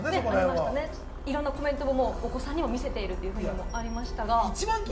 いろんなコメントもお子さんにも見せているということもありました。